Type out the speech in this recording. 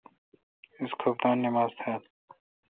اس کوفتانہ نماز تھال۔